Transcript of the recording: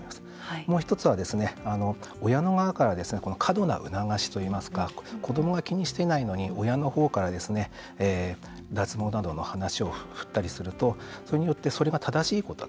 もう一つは、親の側から過度な促しといいますか子どもが気にしてないのに親の方から脱毛などの話を振ったりするとそれによってそれが正しいことだと。